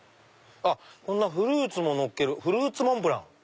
こんなフルーツものっける「フルーツモンブラン」！